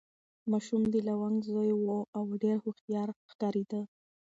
ماشوم د لونګ زوی و او ډېر هوښیار ښکارېده.